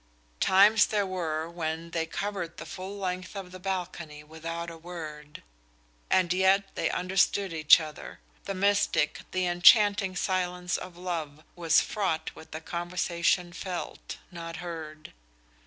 Times there were when; they covered the full length of the balcony without a word. And yet they understood each other. The mystic, the enchanting silence of love was fraught with a conversation felt, not heard.